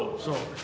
そう。